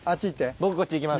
僕こっち行きます。